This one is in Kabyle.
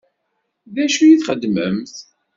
D acu i txeddmemt?